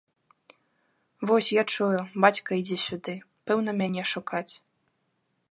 Вось, я чую, бацька ідзе сюды, пэўне мяне шукаць.